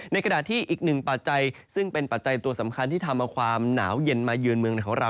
ขณะที่อีกหนึ่งปัจจัยซึ่งเป็นปัจจัยตัวสำคัญที่ทำเอาความหนาวเย็นมาเยือนเมืองในของเรา